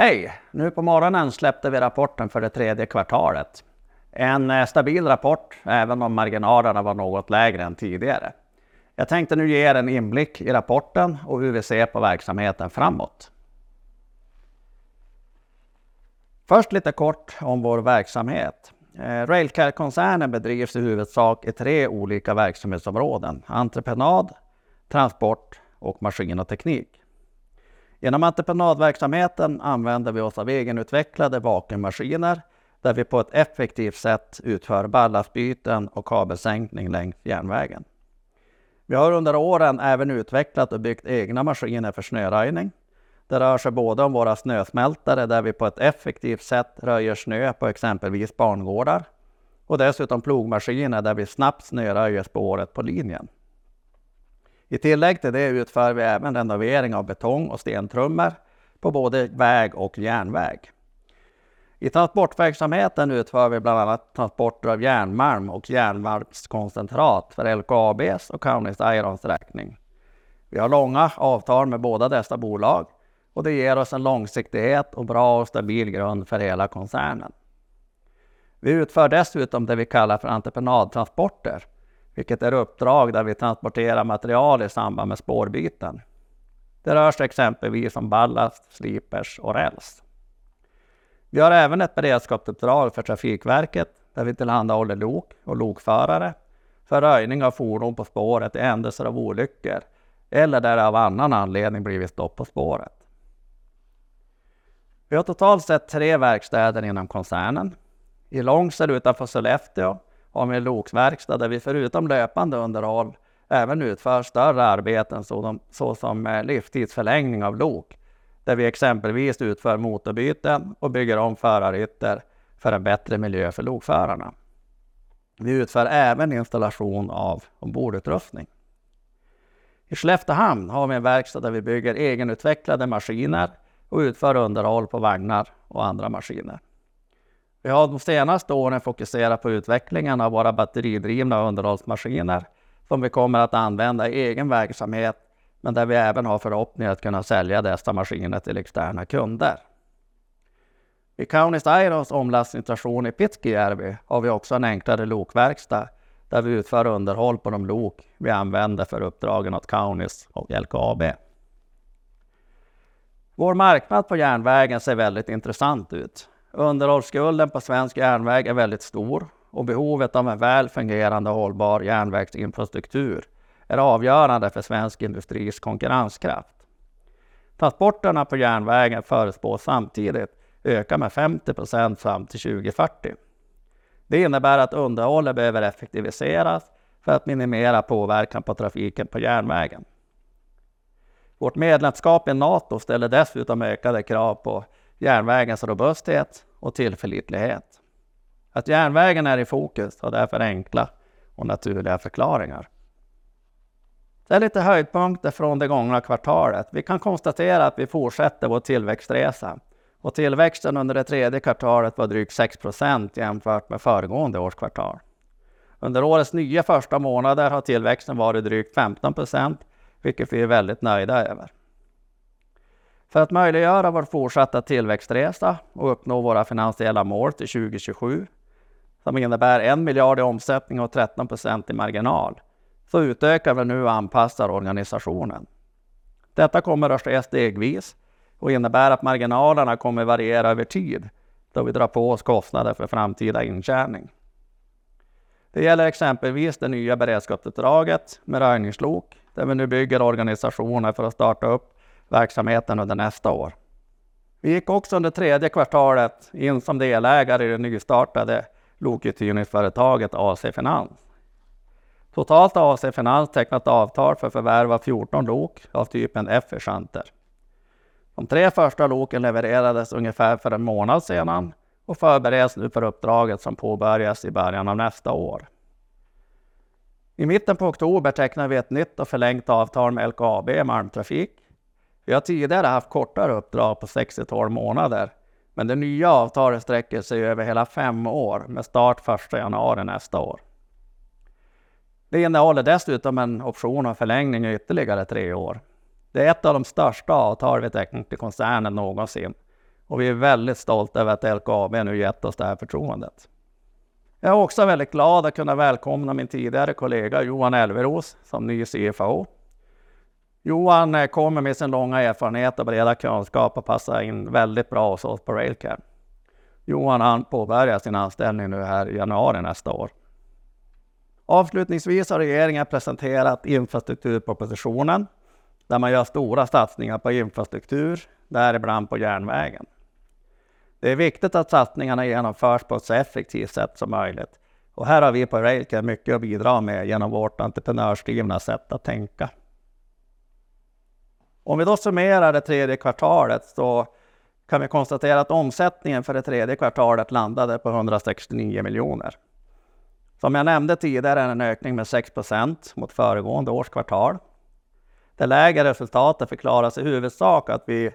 Hej! Nu på morgonen släppte vi rapporten för det tredje kvartalet. En stabil rapport, även om marginalerna var något lägre än tidigare. Jag tänkte nu ge en inblick i rapporten och hur vi ser på verksamheten framåt. Först lite kort om vår verksamhet. Railcare-koncernen bedrivs i huvudsak i tre olika verksamhetsområden: entreprenad, transport och maskin och teknik. Inom entreprenadverksamheten använder vi oss av egenutvecklade vakuummaskiner, där vi på ett effektivt sätt utför ballastbyten och kabelsänkning längs järnvägen. Vi har under åren även utvecklat och byggt egna maskiner för snöröjning. Det rör sig både om våra snösmältare, där vi på ett effektivt sätt röjer snö på exempelvis barngårdar, och dessutom plogmaskiner, där vi snabbt snöröjer spåret på linjen. I tillägg till det utför vi även renovering av betong och stentrummor på både väg och järnväg. I transportverksamheten utför vi bland annat transporter av järnmalm och järnmalmskoncentrat för LKABs och Kaunis Aerons räkning. Vi har långa avtal med båda dessa bolag, och det ger oss en långsiktighet och bra och stabil grund för hela koncernen. Vi utför dessutom det vi kallar för entreprenadtransporter, vilket är uppdrag där vi transporterar material i samband med spårbyten. Det rör sig exempelvis om ballast, slipers och räls. Vi har även ett beredskapsuppdrag för Trafikverket, där vi tillhandahåller lok och lokförare för röjning av fordon på spåret i händelse av olyckor eller där det av annan anledning blivit stopp på spåret. Vi har totalt sett tre verkstäder inom koncernen. I Långsel, utanför Sollefteå, har vi en lokverkstad där vi förutom löpande underhåll även utför större arbeten såsom livstidsförlängning av lok, där vi exempelvis utför motorbyten och bygger om förarhytter för en bättre miljö för lokförarna. Vi utför även installation av ombordutrustning. I Skelleftehamn har vi en verkstad där vi bygger egenutvecklade maskiner och utför underhåll på vagnar och andra maskiner. Vi har de senaste åren fokuserat på utvecklingen av våra batteridrivna underhållsmaskiner som vi kommer att använda i egen verksamhet, men där vi även har förhoppningar att kunna sälja dessa maskiner till externa kunder. I Kaunis Aerons omlastningsstation i Pitsjärvi har vi också en enklare lokverkstad där vi utför underhåll på de lok vi använder för uppdragen åt Kaunis och LKAB. Vår marknad på järnvägen ser väldigt intressant ut. Underhållsskulden på svensk järnväg är väldigt stor, och behovet av en väl fungerande och hållbar järnvägsinfrastruktur är avgörande för svensk industris konkurrenskraft. Transporterna på järnvägen förutspås samtidigt öka med 50% fram till 2040. Det innebär att underhållet behöver effektiviseras för att minimera påverkan på trafiken på järnvägen. Vårt medlemskap i NATO ställer dessutom ökade krav på järnvägens robusthet och tillförlitlighet. Att järnvägen är i fokus har därför enkla och naturliga förklaringar. Det är lite höjdpunkter från det gångna kvartalet. Vi kan konstatera att vi fortsätter vår tillväxtresa, och tillväxten under det tredje kvartalet var drygt 6% jämfört med föregående årskvartal. Under årets första nio månader har tillväxten varit drygt 15%, vilket vi är väldigt nöjda över. För att möjliggöra vår fortsatta tillväxtresa och uppnå våra finansiella mål till 2027, som innebär 1 miljard kronor i omsättning och 13% i marginal, så utökar vi nu och anpassar organisationen. Detta kommer att ske stegvis och innebär att marginalerna kommer att variera över tid, då vi drar på oss kostnader för framtida intjäning. Det gäller exempelvis det nya beredskapsuppdraget med röjningslok, där vi nu bygger organisationer för att starta upp verksamheten under nästa år. Vi gick också under tredje kvartalet in som delägare i det nystartade lokuthyrningsföretaget AC Finans. Totalt har AC Finans tecknat avtal för att förvärva 14 lok av typen Efficenter. De tre första loken levererades ungefär för en månad sedan och förbereds nu för uppdraget som påbörjas i början av nästa år. I mitten på oktober tecknade vi ett nytt och förlängt avtal med LKAB Malmtrafik. Vi har tidigare haft kortare uppdrag på 6-12 månader, men det nya avtalet sträcker sig över hela fem år med start 1 januari nästa år. Det innehåller dessutom en option om förlängning i ytterligare tre år. Det är ett av de största avtal vi har tecknat i koncernen någonsin, och vi är väldigt stolta över att LKAB nu gett oss det här förtroendet. Jag är också väldigt glad att kunna välkomna min tidigare kollega Johan Elveros som ny CFO. Johan kommer med sin långa erfarenhet och breda kunskap och passar in väldigt bra hos oss på Railcare. Johan påbörjar sin anställning nu här i januari nästa år. Avslutningsvis har regeringen presenterat infrastrukturpropositionen där man gör stora satsningar på infrastruktur, däribland på järnvägen. Det är viktigt att satsningarna genomförs på ett så effektivt sätt som möjligt, och här har vi på Railcare mycket att bidra med genom vårt entreprenörsdrivna sätt att tänka. Om vi då summerar det tredje kvartalet så kan vi konstatera att omsättningen för det tredje kvartalet landade på 169 miljoner. Som jag nämnde tidigare är det en ökning med 6% mot föregående års kvartal. Det lägre resultatet förklaras i huvudsak av att vi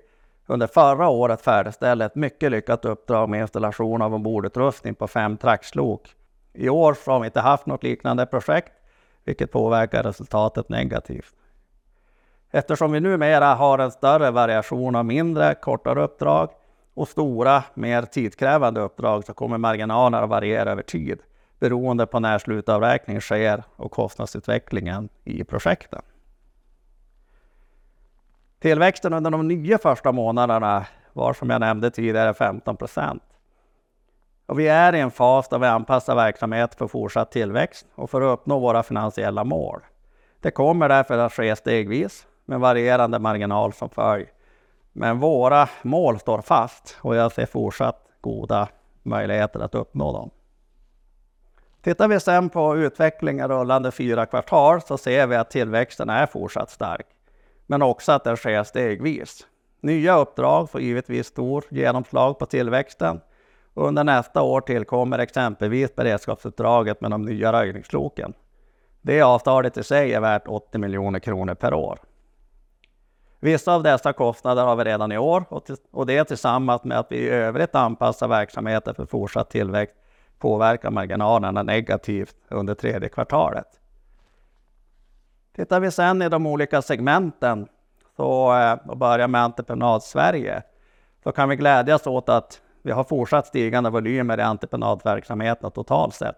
under förra året färdigställde ett mycket lyckat uppdrag med installation av ombordutrustning på fem traxlok. I år har vi inte haft något liknande projekt, vilket påverkar resultatet negativt. Eftersom vi numera har en större variation av mindre, kortare uppdrag och stora, mer tidskrävande uppdrag så kommer marginalerna att variera över tid beroende på när slutavräkningen sker och kostnadsutvecklingen i projekten. Tillväxten under de första månaderna var, som jag nämnde tidigare, 15%. Vi är i en fas där vi anpassar verksamheten för fortsatt tillväxt och för att uppnå våra finansiella mål. Det kommer därför att ske stegvis med varierande marginal som följd. Men våra mål står fast och jag ser fortsatt goda möjligheter att uppnå dem. Tittar vi sedan på utvecklingen rullande fyra kvartal så ser vi att tillväxten är fortsatt stark, men också att den sker stegvis. Nya uppdrag får givetvis stort genomslag på tillväxten, och under nästa år tillkommer exempelvis beredskapsuppdraget med de nya röjningsloken. Det avtalet i sig är värt 80 miljoner kronor per år. Vissa av dessa kostnader har vi redan i år, och det är tillsammans med att vi i övrigt anpassar verksamheten för fortsatt tillväxt påverkar marginalerna negativt under tredje kvartalet. Tittar vi sedan i de olika segmenten, så att börja med entreprenad Sverige, så kan vi glädjas åt att vi har fortsatt stigande volymer i entreprenadverksamheten totalt sett.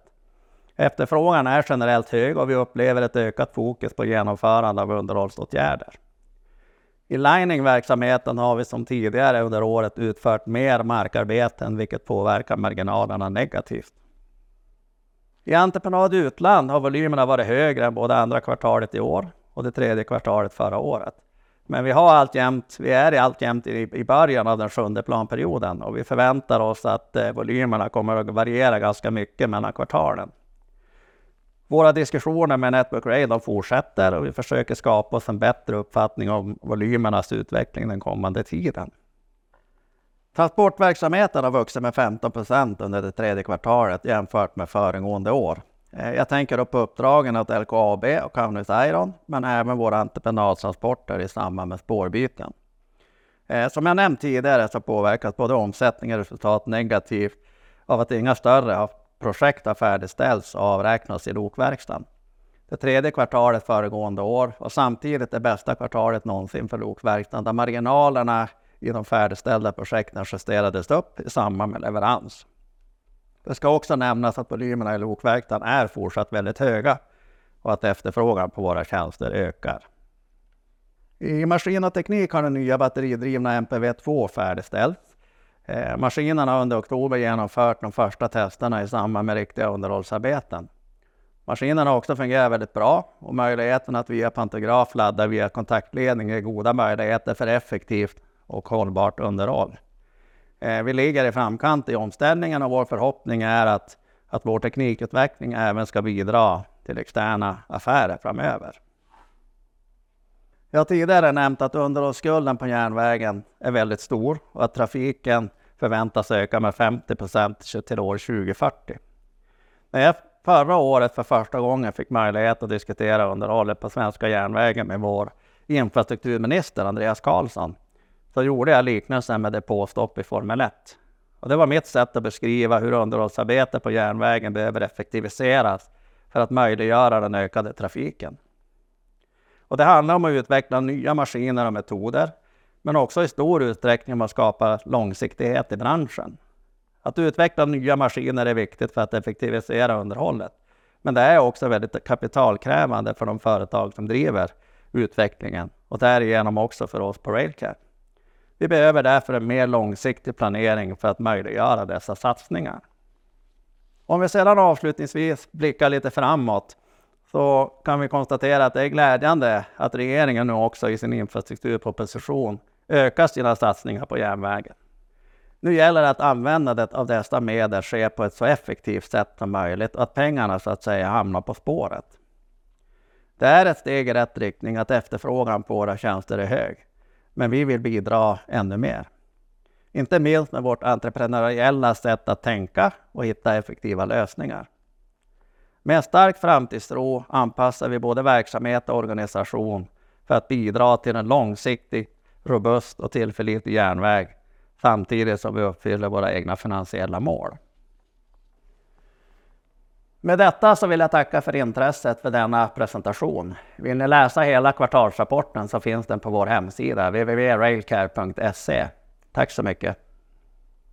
Efterfrågan är generellt hög och vi upplever ett ökat fokus på genomförande av underhållsåtgärder. I liningverksamheten har vi som tidigare under året utfört mer markarbeten, vilket påverkar marginalerna negativt. I entreprenad utland har volymerna varit högre än både andra kvartalet i år och det tredje kvartalet förra året. Men vi har allt jämnt, vi är i allt jämnt i början av den sjunde planperioden och vi förväntar oss att volymerna kommer att variera ganska mycket mellan kvartalen. Våra diskussioner med Network Rail fortsätter och vi försöker skapa oss en bättre uppfattning om volymernas utveckling den kommande tiden. Transportverksamheten har vuxit med 15% under det tredje kvartalet jämfört med föregående år. Jag tänker då på uppdragen åt LKAB och Kaunis Aeron, men även våra entreprenadtransporter i samband med spårbyten. Som jag nämnt tidigare så påverkas både omsättning och resultat negativt av att inga större projekt har färdigställts och avräknats i lokverkstaden. Det tredje kvartalet föregående år var samtidigt det bästa kvartalet någonsin för lokverkstaden där marginalerna i de färdigställda projekten justerades upp i samband med leverans. Det ska också nämnas att volymerna i lokverkstaden är fortsatt väldigt höga och att efterfrågan på våra tjänster ökar. I maskin och teknik har den nya batteridrivna MPV2 färdigställts. Maskinerna har under oktober genomfört de första testerna i samband med riktiga underhållsarbeten. Maskinerna har också fungerat väldigt bra och möjligheten att via pantograf ladda via kontaktledning ger goda möjligheter för effektivt och hållbart underhåll. Vi ligger i framkant i omställningen och vår förhoppning är att vår teknikutveckling även ska bidra till externa affärer framöver. Jag har tidigare nämnt att underhållsskulden på järnvägen är väldigt stor och att trafiken förväntas öka med 50% till år 2040. När jag förra året för första gången fick möjlighet att diskutera underhållet på svenska järnvägen med vår infrastrukturminister Andreas Karlsson, så gjorde jag liknelsen med depåstopp i Formel 1. Det var mitt sätt att beskriva hur underhållsarbetet på järnvägen behöver effektiviseras för att möjliggöra den ökade trafiken. Det handlar om att utveckla nya maskiner och metoder, men också i stor utsträckning om att skapa långsiktighet i branschen. Att utveckla nya maskiner är viktigt för att effektivisera underhållet, men det är också väldigt kapitalkrävande för de företag som driver utvecklingen och därigenom också för oss på Railcare. Vi behöver därför en mer långsiktig planering för att möjliggöra dessa satsningar. Om vi sedan avslutningsvis blickar lite framåt så kan vi konstatera att det är glädjande att regeringen nu också i sin infrastrukturproposition ökar sina satsningar på järnvägen. Nu gäller det att användandet av dessa medel sker på ett så effektivt sätt som möjligt och att pengarna så att säga hamnar på spåret. Det är ett steg i rätt riktning att efterfrågan på våra tjänster är hög, men vi vill bidra ännu mer. Inte minst med vårt entreprenöriella sätt att tänka och hitta effektiva lösningar. Med en stark framtidstro anpassar vi både verksamhet och organisation för att bidra till en långsiktig, robust och tillförlitlig järnväg, samtidigt som vi uppfyller våra egna finansiella mål. Med detta så vill jag tacka för intresset för denna presentation. Vill ni läsa hela kvartalsrapporten så finns den på vår hemsida www.railcare.se. Tack så mycket!